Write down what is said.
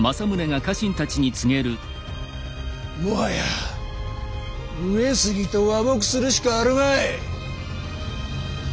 もはや上杉と和睦するしかあるまい。